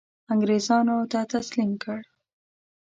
انګرېزانو ته تسلیم کړ.